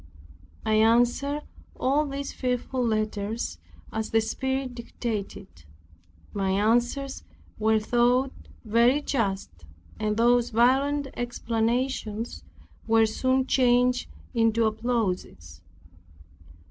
I answered all these fearful letters as the Spirit dictated. My answers were thought very just, and those violent exclamations were soon changed into applauses.